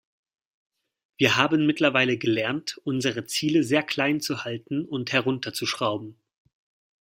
Wir haben mittlerweile gelernt, unsere Ziele sehr klein zu halten und herunterzuschrauben.